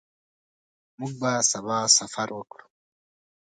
موږ به سبا سفر وکړو.